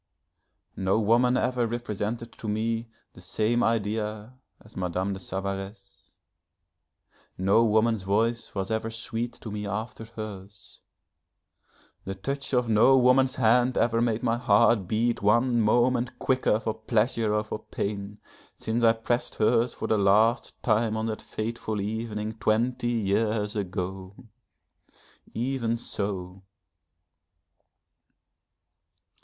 No woman ever represented to me the same idea as Madame de Savaresse. No woman's voice was ever sweet to me after hers, the touch of no woman's hand ever made my heart beat one moment quicker for pleasure or for pain, since I pressed hers for the last time on that fateful evening twenty years ago. Even so